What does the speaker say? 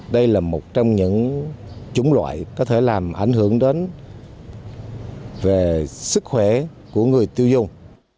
đây là một trong những chủng loại có thể làm ảnh hưởng đến về sức khỏe của người tiêu dùng